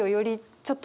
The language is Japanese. ちょっと